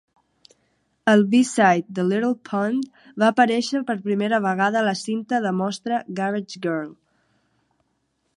El B-side, "The Little Pond", va aparèixer per primera vegada a la cinta de mostra "Garage Girl".